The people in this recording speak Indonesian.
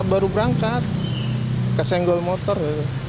baru berangkat ke senggol motor